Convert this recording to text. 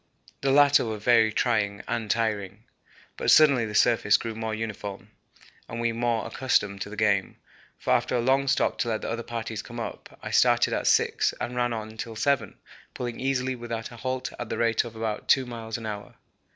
The latter were very trying and tiring. But suddenly the surface grew more uniform and we more accustomed to the game, for after a long stop to let the other parties come up, I started at 6 and ran on till 7, pulling easily without a halt at the rate of about 2 miles an hour.